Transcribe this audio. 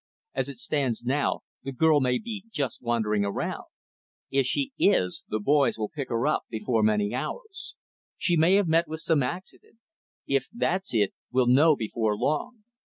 As it stands now, the girl may be just wandering around. If she is, the boys will pick her up before many hours. She may have met with some accident. If that's it, we'll know before long.